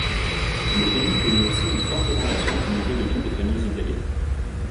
Le pays connut aussi une forte augmentation du niveau de vie des familles italiennes.